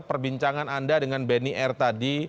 perbincangan anda dengan benny r tadi